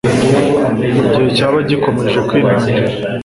mu gihe cyaba gikomeje kwinangira.